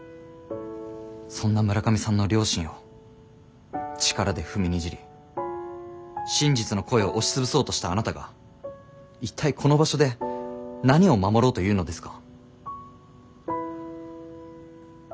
そんな村上さんの良心を力で踏みにじり真実の声を押し潰そうとしたあなたが一体この場所で何を守ろうというのですか？